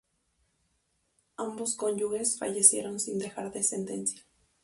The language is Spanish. Ambos cónyuges fallecieron sin dejar descendencia.